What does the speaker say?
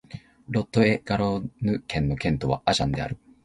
ロット＝エ＝ガロンヌ県の県都はアジャンである